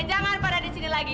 jangan pada disini lagi